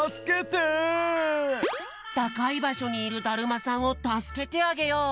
たかいばしょにいるだるまさんをたすけてあげよう！